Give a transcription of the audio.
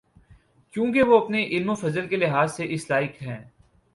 کیونکہ وہ اپنے علم و فضل کے لحاظ سے اس لائق ہیں۔